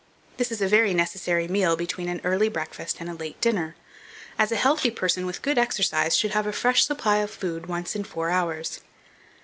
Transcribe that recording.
This is a very necessary meal between an early breakfast and a late dinner, as a healthy person, with good exercise, should have a fresh supply of food once in four hours.